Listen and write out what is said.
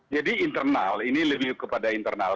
jadi internal ini lebih kepada internal